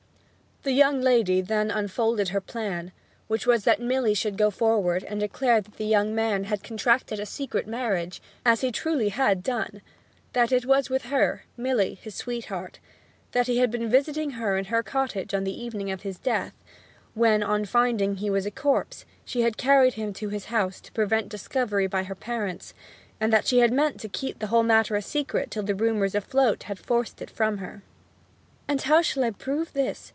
The young lady then unfolded her plan, which was that Milly should go forward and declare that the young man had contracted a secret marriage (as he truly had done); that it was with her, Milly, his sweetheart; that he had been visiting her in her cottage on the evening of his death; when, on finding he was a corpse, she had carried him to his house to prevent discovery by her parents, and that she had meant to keep the whole matter a secret till the rumours afloat had forced it from her. 'And how shall I prove this?'